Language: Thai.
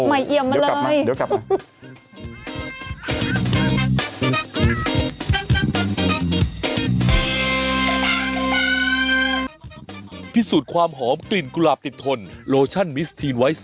ไม่เอียมมาเลยโอ้โฮเดี๋ยวกลับมาได้ไหม